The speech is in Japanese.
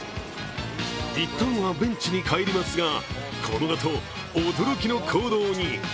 いったんはベンチに帰りますがこのあと、驚きの行動に。